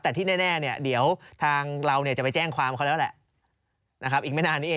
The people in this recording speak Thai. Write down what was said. แต่ที่แน่เนี่ยเดี๋ยวทางเราจะไปแจ้งความเขาแล้วแหละอีกไม่นานนี้เอง